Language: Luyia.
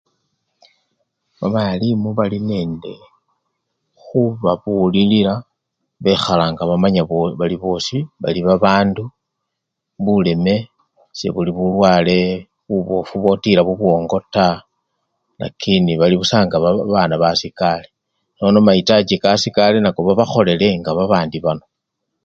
Babalimu bali nende khubabulilila bekhala nga bamanya bo! bali bosi bali babandu, buleme sebuli bulwale bubofu butila bubwongo taa, lakinibalibusa nga babana basikale, nono mayitachi kasikale nabo babakholele nga babandi bano.